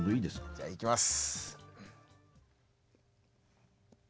じゃあいきます。